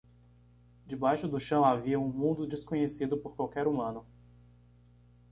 Debaixo do chão havia um mundo desconhecido por qualquer humano.